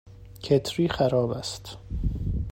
کتری خراب است.